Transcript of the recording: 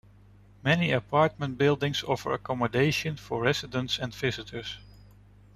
Many apartment buildings offer accommodation for residents and visitors.